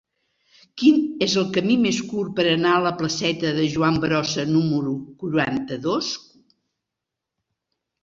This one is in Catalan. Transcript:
Quin és el camí més curt per anar a la placeta de Joan Brossa número quaranta-dos?